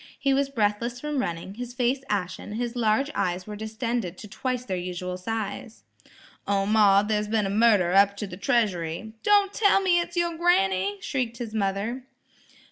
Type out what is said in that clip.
He was breathless from running, his face ashen, his large eyes were distended to twice their usual size. "O, ma, there's been a murder up to the treasury–" "Don' tell me it's yer granny!" shrieked his mother.